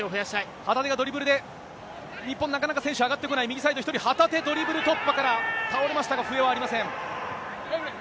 旗手がドリブルで、日本、なかなか選手、上がってこない、右サイド１人、旗手、ドリブル突破から、倒れましたが、笛はありません。